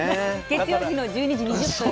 月曜日の１２時２０分。